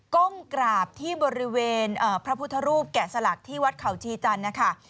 ก้มกราบที่บริเวณพระพุทธรูปแกะสลักที่วัดเขาชีจันทร์นะคะ